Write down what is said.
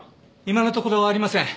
今のところありません。